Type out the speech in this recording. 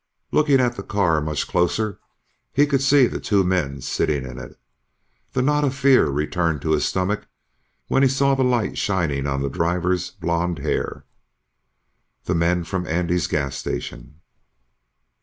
Looking at the car much closer, he could see the two men sitting in it. The knot of fear returned to his stomach when he saw the light shining on the driver's blond hair. The men from Andy's gas station!